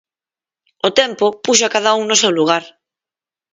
O tempo puxo a cada un no seu lugar.